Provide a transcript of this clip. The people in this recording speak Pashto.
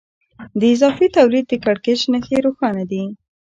د اضافي تولید د کړکېچ نښې روښانه دي